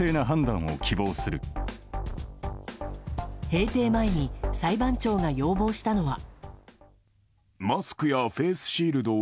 閉廷前に裁判長が要望したのは。